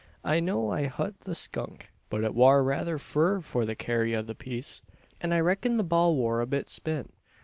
I know'd I hut the skunk; but it war rayther fur for the carry o' the piece, an I reckon'd the ball war a bit spent.